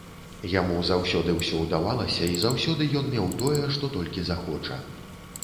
Яму заўсёды ўсё ўдавалася, і заўсёды ён меў тое, што толькі захоча.